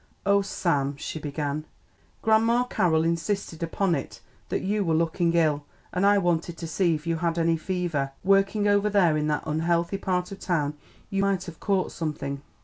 "Oh, Sam," she began, "Grandma Carroll insisted upon it that you were looking ill, and I wanted to see if you had any fever; working over there in that unhealthy part of town, you might have caught something."